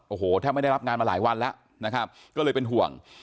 โอ้โหแทบไม่ได้รับงานมาหลายวันแล้วนะครับก็เลยเป็นห่วง